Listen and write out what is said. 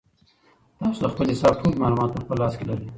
تاسو د خپل حساب ټول معلومات په خپل لاس کې لرئ.